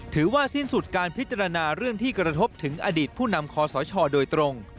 ถือว่าสิ้นสุดการพิจารณาเรื่องที่กระทบถึงอดีตผู้นำคอสชโดยตรง